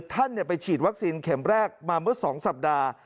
ท่านไปฉีดวัคซีนเข็มแรกมาเมื่อ๒สัปดาห์